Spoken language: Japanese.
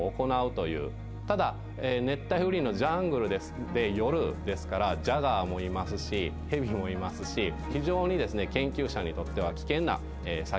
ただ熱帯雨林のジャングルですので夜ですからジャガーもいますし蛇もいますし非常にですね研究者にとっては危険な作業だったんですね。